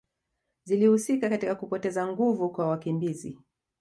zilihusika katika kupoteza nguvu kwa wakimbizi